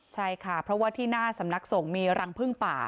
ใช่ค่ะเพราะว่าที่หน้าสำนักส่งมีรังพึ่งป่า